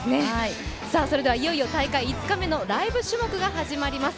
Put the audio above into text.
それではいよいよ大会５日目のライブ種目が始まります。